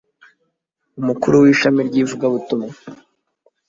umukuru w ishami ry ivugabutumwa